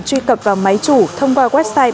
truy cập vào máy chủ thông qua website